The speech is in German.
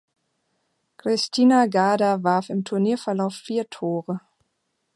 Krisztina Garda warf im Turnierverlauf vier Tore.